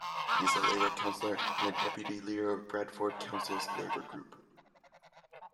He is a Labour councillor and Deputy Leader of Bradford Council's Labour Group.